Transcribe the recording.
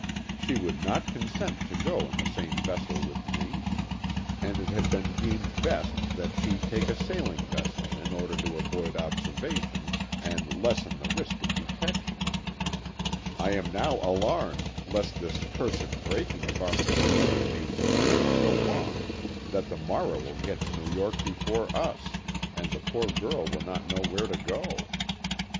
She would not consent to go in the same vessel with me, and it had been deemed best that she take a sailing vessel in order to avoid observation and lessen the risk of detection. I am now alarmed lest this cursed breaking of our machinery may detain us so long that the Morrow will get to New York before us, and the poor girl will not know where to go."